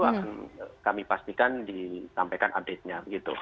akan kami pastikan disampaikan update nya